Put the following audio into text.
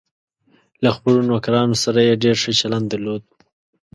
له خپلو نوکرانو سره یې ډېر ښه چلند درلود.